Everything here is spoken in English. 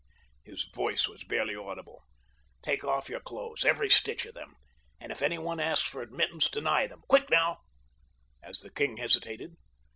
His voice was barely audible. "Take off your clothes—every stitch of them—and if any one asks for admittance, deny them. Quick, now," as the king hesitated.